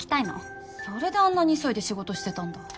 それであんなに急いで仕事してたんだ。